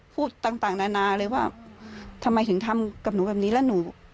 พูดต่างนานาเลยว่าทำไมถึงทำกับหนูแบบนี้แล้วหนู